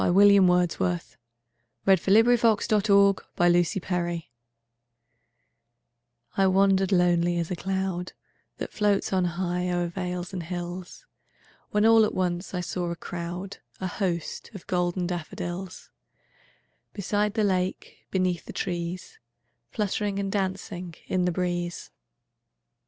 William Wordsworth I Wandered Lonely As a Cloud I WANDERED lonely as a cloud That floats on high o'er vales and hills, When all at once I saw a crowd, A host, of golden daffodils; Beside the lake, beneath the trees, Fluttering and dancing in the breeze.